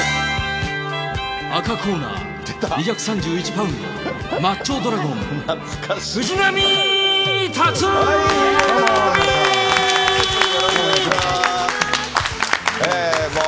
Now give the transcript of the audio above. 赤コーナー、２３１パウンド、マッチョドラゴン、藤波辰爾。